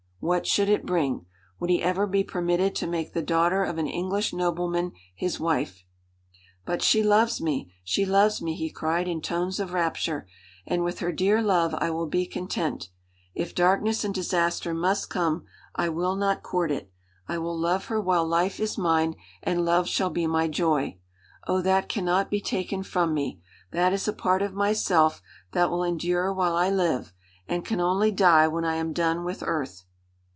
What should it bring? Would he ever be permitted to make the daughter of an English nobleman his wife? "But she loves me! She loves me!" he cried in tones of rapture; "and with her dear love I will be content. If darkness and disaster must come, I will not court it. I will love her while life is mine, and love shall be my joy. Oh! that can not be taken from me! That is a part of myself that will endure while I live, and can only die when I am done with earth."